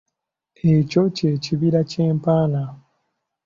Ekyo kye kibira kye mpaana.